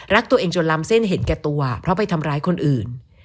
รักตัวเองจนล้ำเส้นเห็นแก่ตัวเพราะไปทำร้ายคนอื่น